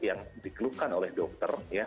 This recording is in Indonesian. yang dikeluhkan oleh dokter